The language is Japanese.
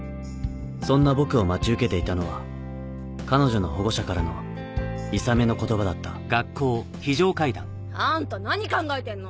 そんな僕を待ち受けていたのは彼女の保護者からのいさめの言葉だったあんた何考えてんの？